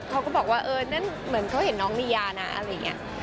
เขาก็บอกว่าเออนั่นเหมือนเขาเห็นน้องมียานะอะไรอย่างนี้